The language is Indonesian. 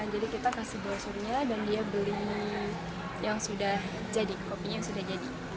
jadi kita kasih balsurnya dan dia beli yang sudah jadi kopinya sudah jadi